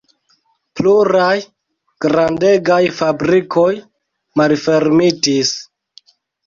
Pluraj grandegaj fabrikoj malfermitis.